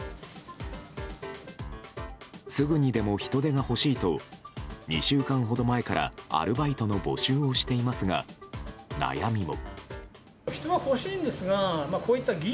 すぐにでも人手が欲しいと２週間ほど前からアルバイトの募集をしていますが悩みも。